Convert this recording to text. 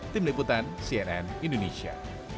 tim liputan cnn indonesia